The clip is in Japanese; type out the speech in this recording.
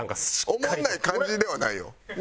おもんない感じではないよ。